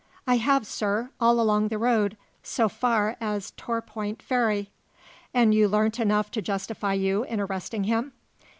"I have, sir; all along the road, so far as Torpoint Ferry." "And you learnt enough to justify you in arresting him?"